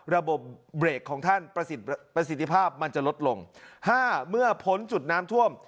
ระบบเบรกของท่านประสิทธิภาพมันจะลดลง๕เมื่อพ้นจุดน้ำท่วม